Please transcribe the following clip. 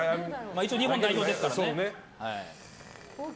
一応、日本代表ですからね。